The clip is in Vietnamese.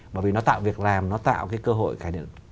bởi vì nó tạo việc làm nó tạo cái cơ hội cải thiện